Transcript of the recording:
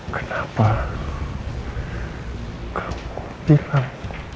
kenapa kamu bilang